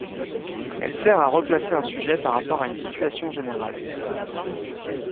Elle sert à replacer un sujet par rapport à une situation générale.